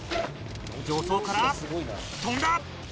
助走から跳んだ！